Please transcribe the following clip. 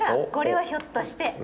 これはひょっとして。